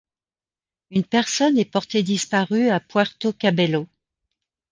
Une personnes est portée disparue à Puerto Cabello.